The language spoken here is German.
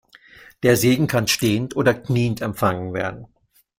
Der Segen kann stehend oder kniend empfangen werden.